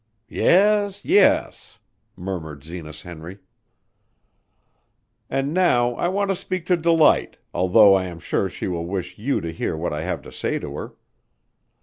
"Yes, yes!" murmured Zenas Henry. "And now I want to speak to Delight, although I am sure she will wish you to hear what I have to say to her.